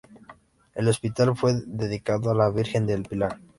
El hospital fue dedicado a la Virgen del Pilar.